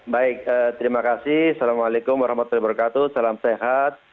baik terima kasih assalamualaikum wr wb salam sehat